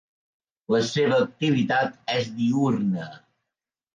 La seua activitat és diürna.